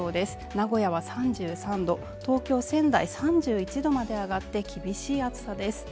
名古屋は３３℃、東京仙台３１℃まで上がって厳しい暑さです。